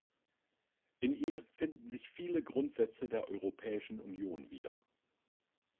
In ihm finden sich viele Grundsätze der Europäischen Union wieder.